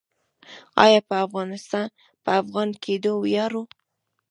آیا په افغان کیدو ویاړو؟